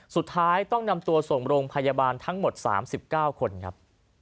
สุดท้ายต้องนำตัวส่งโรงพยาบาลทั้งหมด๓๙คนครับ